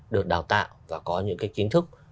được đào tạo và có những cái kiến thức